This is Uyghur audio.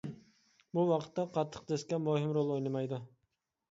بۇ ۋاقىتتا قاتتىق دىسكا مۇھىم رول ئوينىمايدۇ.